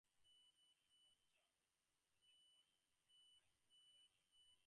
The sepulchre also contains a version of the Great Hymn to the Aten.